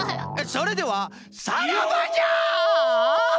それではさらばじゃ！